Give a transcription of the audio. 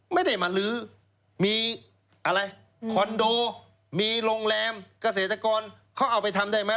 ไม่ได้มาลื้อมีอะไรคอนโดมีโรงแรมเกษตรกรเขาเอาไปทำได้ไหม